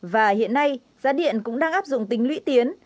và hiện nay giá điện cũng đang áp dụng tính lũy tiến